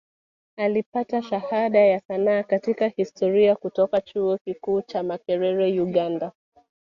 Alipata Shahada ya Sanaa katika Historia kutoka Chuo Kikuu cha Makerere Uganda